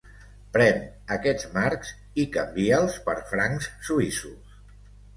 Pren aquests marcs i canvia'ls per francs suïssos.